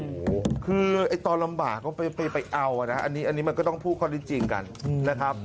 โอ้โหคือตอนลำบากก็ไปเอาอ่ะนะอันนี้มันก็ต้องพูดข้อที่จริงกันนะครับ